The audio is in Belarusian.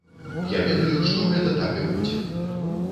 Я ведаю, што гэта так і будзе.